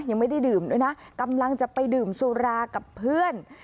ยังไม่ได้ดื่มด้วยนะกำลังจะไปดื่มสุรากับเพื่อน